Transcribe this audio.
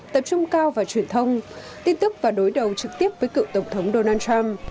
tập trung cao vào truyền thông tin tức và đối đầu trực tiếp với cựu tổng thống donald trump